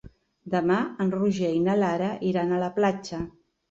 Demà en Roger i na Lara iran a la platja.